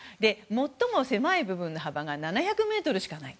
最も狭い部分の幅が７００ｍしかない。